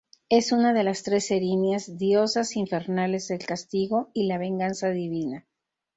Es una de las tres erinias, diosas infernales del castigo y la venganza divina.